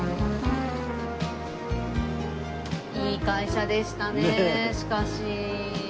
いい会社でしたねしかし。